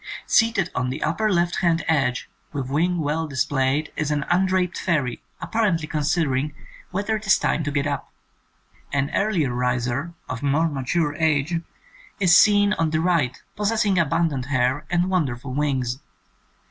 Seated on the upper left hand edge with wing well displayed is an undraped fairy apparently considering whether it is time to get up. An earlier riser of more mature age is seen on the right possessing abundant hair and won derful wings.